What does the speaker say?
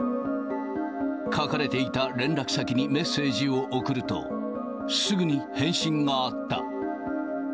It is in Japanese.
書かれていた連絡先にメッセージを送ると、すぐに返信があった。